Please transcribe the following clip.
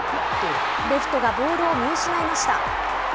レフトがボールを見失いました。